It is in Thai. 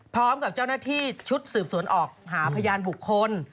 พร้อมกับเจ้าหน้าที่ชุดสืบสวนออกหาพยานบุคคล